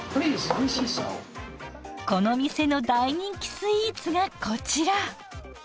この店の大人気スイーツがこちら。